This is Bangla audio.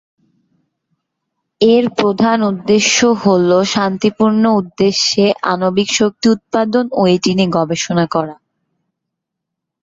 এর প্রধান উদ্দেশ্য হল, শান্তিপূর্ণ উদ্দেশ্যে আণবিক শক্তি উৎপাদন ও এটি নিয়ে গবেষণা করা।